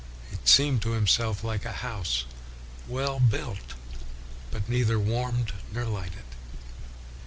He seemed to himself like a house well built, but neither warmed nor lighted.